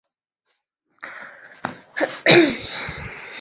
之后又有柠檬黄导致的过敏反应被陆续报道出来。